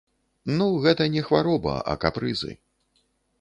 Ну, гэта не хвароба, а капрызы.